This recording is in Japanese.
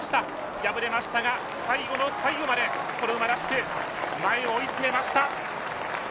敗れましたが、最後の最後までこの馬らしく前を追いつめました。